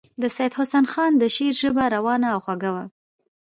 د سید حسن خان د شعر ژبه روانه او خوږه وه.